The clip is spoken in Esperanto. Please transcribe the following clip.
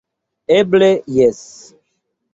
Eble, jes!